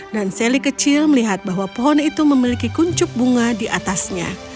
dan sally kecil melihat bahwa pohon itu memiliki kuncup bunga di atasnya